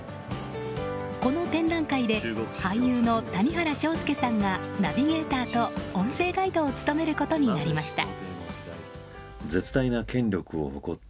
この展覧会で俳優の谷原章介さんがナビゲーターと音声ガイドを務めることになりました。